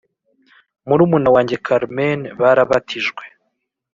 murumuna wanjye Carmen barabatijwe